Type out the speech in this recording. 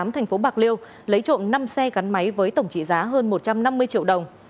thành phố bạc liêu lấy trộm năm xe gắn máy với tổng trị giá hơn một trăm năm mươi triệu đồng